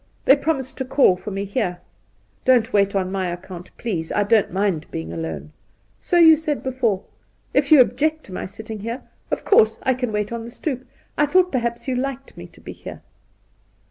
They promised to call for me here.' ' Don't wait on my account, please. I don't mind being alone.' ' So you said before. If you oilyect to my sitting here, of course I can wait on the stoep. I thought perhaps you liked me to be here.'